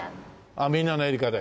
みんなのエリカで。